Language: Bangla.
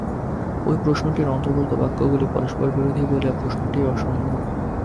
ঐ প্রশ্নটির অন্তর্গত বাক্যগুলি পরস্পর-বিরোধী বলিয়া প্রশ্নটিই অসম্ভব।